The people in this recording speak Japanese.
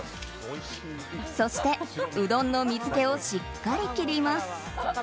そして、うどんの水けをしっかり切ります。